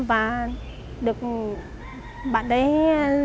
và được bạn đấy giải quyết